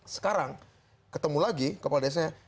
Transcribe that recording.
sekarang ketemu lagi kepala desanya